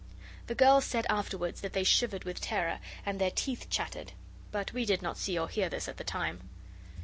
The girls said afterwards that they shivered with terror, and their teeth chattered, but we did not see or hear this at the time.